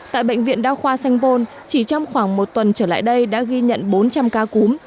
tại bệnh viện đa khoa sanh bôn chỉ trong khoảng một tuần trở lại đây đã ghi nhận bốn trăm linh ca cúm